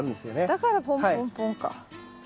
だからポンポンポンか。